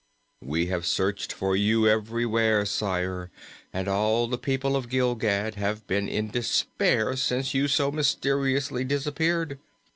"We have searched for you everywhere, sire, and all the people of Gilgad have been in despair since you so mysteriously disappeared.